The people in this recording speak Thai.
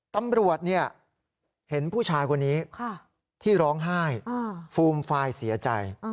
ตำรวจเห็นผู้ชายคนนี้ที่ร้องไห้ฟูมฟายเสียใจ